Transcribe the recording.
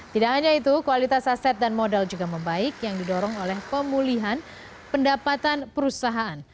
tidak hanya itu kualitas aset dan modal juga membaik yang didorong oleh pemulihan pendapatan perusahaan